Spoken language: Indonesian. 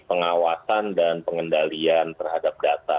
pengawasan dan pengendalian terhadap data